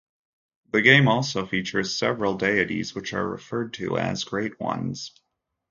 The game also features several deities which are referred to as "Great Ones".